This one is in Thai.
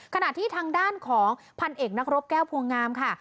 ขณะที่ทางด้านของพันเอกนักรบแก้วพวงงามค่ะ